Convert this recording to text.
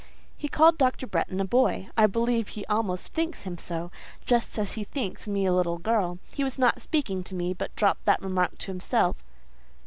He called Dr. Bretton a boy; I believe he almost thinks him so, just as he thinks me a little girl; he was not speaking to me, but dropped that remark to himself.